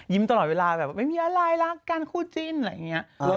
ตลอดเวลาแบบไม่มีอะไรรักกันคู่จิ้นอะไรอย่างนี้